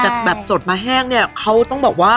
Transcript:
แต่แบบสดมาแห้งเนี่ยเขาต้องบอกว่า